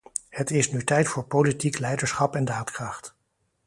Het is nu tijd voor politiek leiderschap en daadkracht.